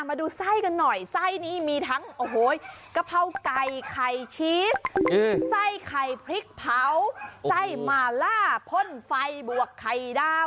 มาดูไส้กันหน่อย